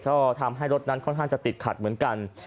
ก็ทำให้รถนั้นค่อนข้างจะติดขัดเหมือนกัน